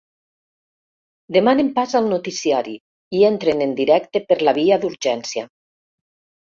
Demanen pas al noticiari i entren en directe per la via d'urgència.